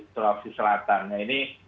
sulawesi selatan nah ini